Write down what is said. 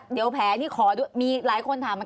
เดี๋ยวแผลนี้มีหลายคนถามกัน